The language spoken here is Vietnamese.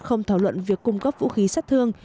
không thảo luận việc cung cấp vũ khí sát thương